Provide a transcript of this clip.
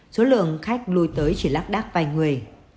số lượng khách lùi tới chỉ lắc đắc vài người